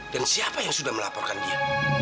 dan siapa yang sudah melaporkan dia